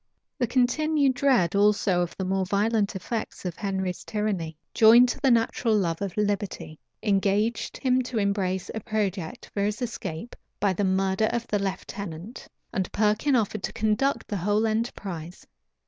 The continued dread also of the more violent effects of Henry's tyranny, joined to the natural love of liberty, engaged him to embrace a project for his escape, by the murder of the lieutenant; and Perkin offered to conduct the whole enterprise.